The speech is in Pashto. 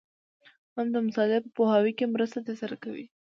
هم د مسألې په پوهاوي کي مرسته درسره کوي.